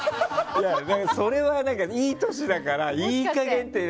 それは、いい年だからいい加減っていう。